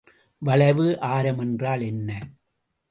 வளைவு ஆரம் என்றால் என்ன?